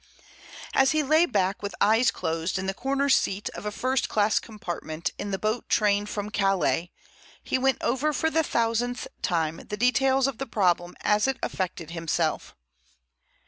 As he lay back with closed eyes in the corner seat of a first class compartment in the boat train from Calais he went over for the thousandth time the details of the problem as it affected himself.